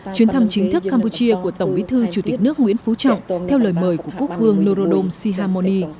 chuyến thăm chính thức campuchia của tổng bí thư chủ tịch nước nguyễn phú trọng theo lời mời của quốc vương norodom sihamoni